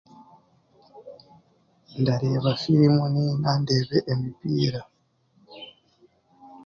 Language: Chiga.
Ndareeba firimu nainga ndeebe omupiira